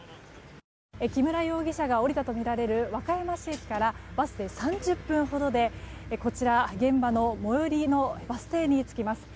木村容疑者が降りたとみられる和歌山市駅からバスで３０分ほどでこちら、現場の最寄りのバス停に着きます。